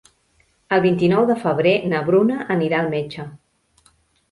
El vint-i-nou de febrer na Bruna anirà al metge.